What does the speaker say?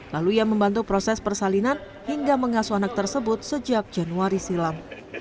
lalu ia membantu proses persalinan hingga mengasuh anak tersebut sejak januari silam